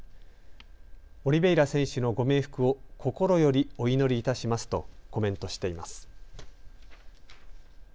オリベイラ選手のご冥福を心よりお祈りいたしますとコメントしています。